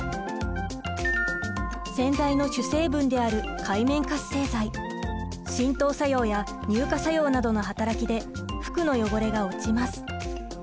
洗剤の主成分である界面活性剤浸透作用や乳化作用などの働きで服の汚れが落ちます。